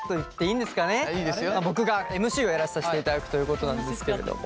僕がＭＣをやらさせていただくということなんですけれども。